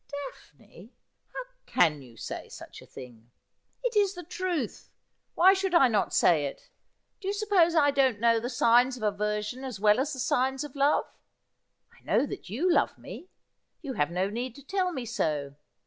' Daphne ! How can you say such a thing?' ' It is the truth. Why should I not say it ? Do you suppose I don't know the signs of aversion as well as the signs of love ? I know that you love me. You have no need to tell me so.